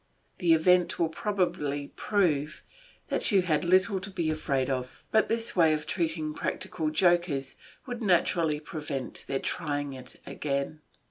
The event will probably prove that you had little to be afraid of, but this way of treating practical jokers would naturally prevent their trying it again."